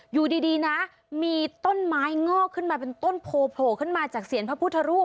อยู่ดีนะมีต้นไม้งอกขึ้นมาเป็นต้นโพโผล่ขึ้นมาจากเสียงพระพุทธรูป